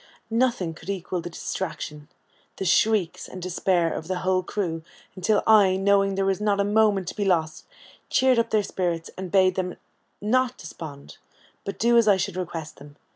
Nothing could equal the distraction, the shrieks, and despair of the whole crew, until I, knowing there was not a moment to be lost, cheered up their spirits, and bade them not despond, but do as I should request them.